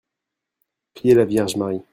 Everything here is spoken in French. prier la Vierge Marie.